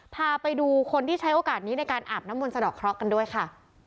พาไปดูคนที่ใช้โอกาสนี้ในการอาบน้ำมนสะดอกเคราะห์กันด้วยค่ะ